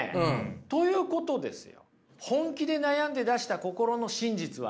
ということですよ。